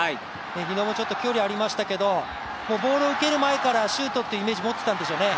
日野もちょっと距離ありましたけどボールを受ける前からシュートってイメージ持ってたんでしょうね。